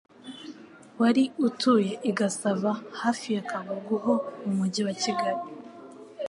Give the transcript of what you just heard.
wari utuye i Gasava hafi ya Kagugu ho mu mujyi wa Kigali.